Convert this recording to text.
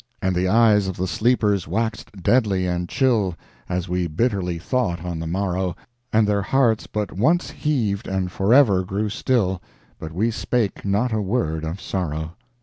And the eyes of the sleepers waxed deadly and chill, As we bitterly thought on the morrow, And their hearts but once heaved and forever grew still, But we spake not a word of sorrow!